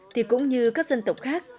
thì cũng như các dân tộc khác